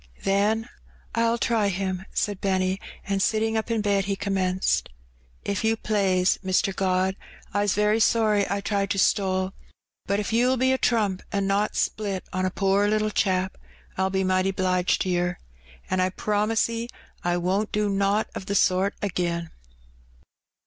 "Then I'll try Him/' said Benny, and, sitting up in bed, he commenced — "If you plaise, Mr. God, I's very sorry I tried to stole; but if you'll be a trump an' not split on a poor little chap, Fll be mighty 'bliged to yer. An' I promise 'e I won't do nowt o' the sort agin."